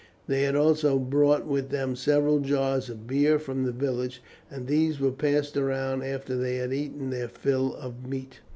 They had also brought with them several jars of beer from the village, and these were passed round after they had eaten their fill of meat.